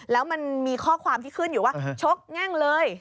แล้วมันมีข้อความที่ขึ้นอยู่ว่าชกแง่งเลย